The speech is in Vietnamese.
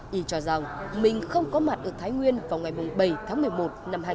nhìn cho rằng mình không có mặt ở thái nguyên vào ngày bảy tháng một mươi một năm hai nghìn một mươi bảy